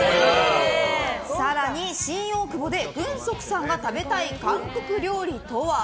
更に、新大久保でグンソクさんが食べたい韓国料理とは。